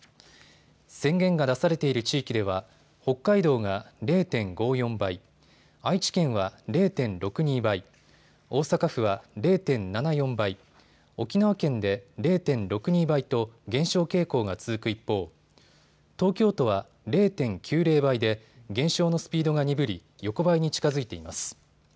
宣言が出されている地域では北海道が０．５４倍、愛知県は０．６２倍、大阪府は０．７４倍、沖縄県で０．６２倍と減少傾向が続く一方、東京都は０．９０倍で減少のスピードが鈍り、横ばいに近づいています。